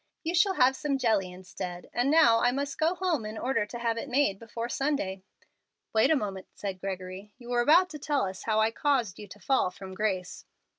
You shall have some jelly instead, and now I must go home in order to have it made before Sunday." "Wait a moment," said Gregory. "You were about to tell us how I caused you to 'fall from grace.'"